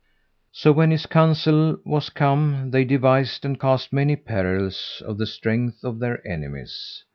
So when his council was come they devised and cast many perils of the strength of their enemies.